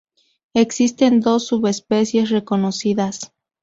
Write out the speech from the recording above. Existen dos subespecies reconocidas.